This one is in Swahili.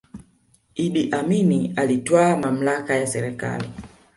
iddi amini alitwaa mamlaka ya serikali